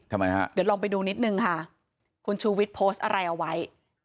ทำไมฮะเดี๋ยวลองไปดูนิดนึงค่ะคุณชูวิทย์โพสต์อะไรเอาไว้